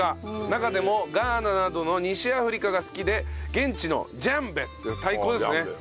中でもガーナなどの西アフリカが好きで現地のジャンベっていう太鼓ですね。